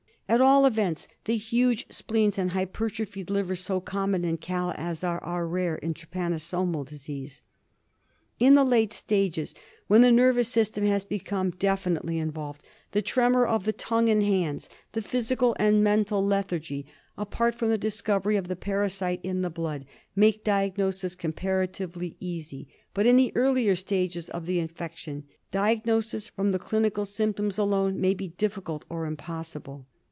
At all events the huge spleens and hypertrophied livers, so common in Kala Azar, are rare in trypanosoma disease. In the late stages, when the nervous system has become definitely involved, the tremor of the tongue and hands, the physical and mental lethargy, apart from the discovery of the parasite in the blood, make diagnosis comparatively easy ; but in the earlier stages of the infection, diagnosis from the clinical symptoms alone may be difficult or impossible.